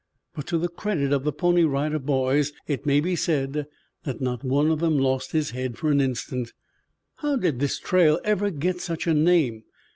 But to the credit of the Pony Rider Boys it may be said that not one of them lost his head for an instant. "How did this trail ever get such a name?"